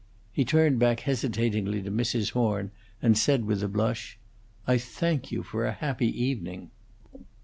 He turned back hesitatingly to Mrs. Horn, and said, with a blush, "I thank you for a happy evening."